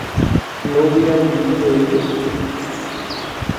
¿no hubieran vivido ellas?